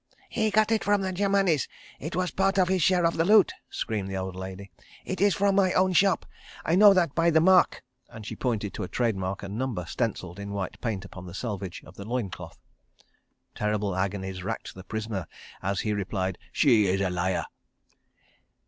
"He got it from the Germanis. It was part of his share of the loot," screamed the old lady. "It is from my own shop. I know it by that mark," and she pointed to a trade mark and number stencilled in white paint upon the selvedge of the loin cloth. Terrible agonies racked the prisoner as he replied: "She is a liar."